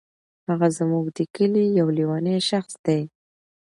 هغه زمونږ دي کلې یو لیونی شخص دی.